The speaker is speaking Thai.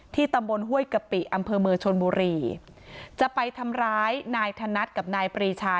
ตำบลห้วยกะปิอำเภอเมืองชนบุรีจะไปทำร้ายนายธนัดกับนายปรีชา